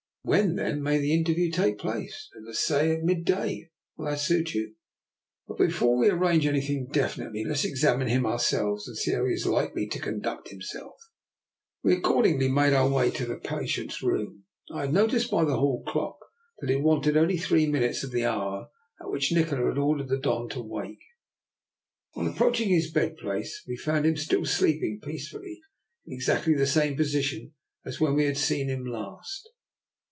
" When, then, may the interview take place? ''" Let us say at midday. Will that suit you? But before we arrange anything defi nitely, let us examine him ourselves, and see how he is likely to conduct himself." 288 DR. NIKOLA'S EXPERIMENT. We accordingly made our way to the pa tient's room. I had noticed by the hall clock that it wanted only three minutes of the hour at which Nikola had ordered the Don to wake. On approaching his bed place, we found him still sleeping peacefully in exactly the same position as when we had seen him last.